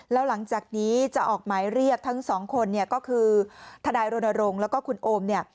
แล้วหลังจากนี้จะออกหมายเรียกทั้งสองคนเนี่ยก็คือทนายรณรงค์แล้วก็คุณโอมเนี่ย